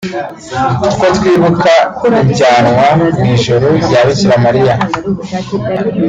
kuko twibuka ijyanwa mu ijuru rya Bikira Mariya